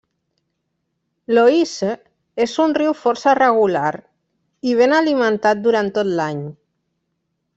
L'Oise és un riu força regular i ben alimentat durant tot l'any.